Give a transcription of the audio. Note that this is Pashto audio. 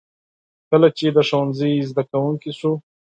کله چې د ښوونځي زده کوونکی شو.